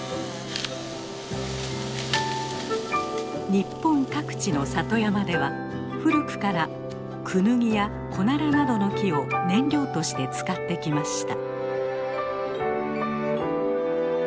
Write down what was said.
日本各地の里山では古くからクヌギやコナラなどの木を燃料として使ってきました。